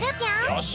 よし！